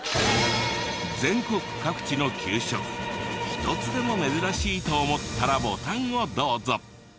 全国各地の給食１つでも珍しいと思ったらボタンをどうぞ。